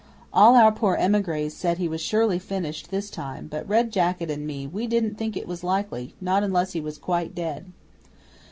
All our poor emigres said he was surely finished this time, but Red Jacket and me we didn't think it likely, not unless he was quite dead.